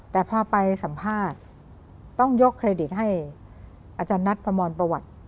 แต่พอไปสัมภาษณ์ต้องยกเครดิตให้อาจารย์นัทประมรประวัติ